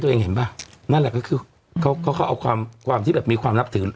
เห็นป่ะนั่นแหละก็คือเขาเขาก็เอาความความที่แบบมีความนับถือ